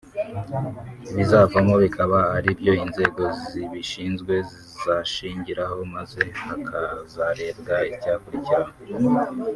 ibizavamo bikaba ari byo inzego zibishinzwe zashingiraho maze hakazarebwa icyakurikiraho